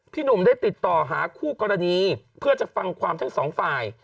หนุ่มได้ติดต่อหาคู่กรณีเพื่อจะฟังความทั้งสองฝ่าย